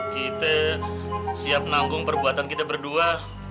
kita siap nanggung perbuatan kita berdua